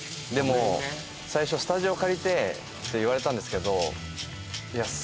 最初スタジオ借りてって言われたんですけどいや